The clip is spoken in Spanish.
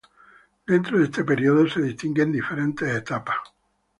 Dentro de este periodo, se distinguen diferentes etapas.